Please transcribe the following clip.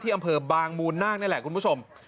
ที่อำเภอซับฐานบางมูลน่าแลนะครับคุณผู้ชม